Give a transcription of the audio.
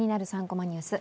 ３コマニュース」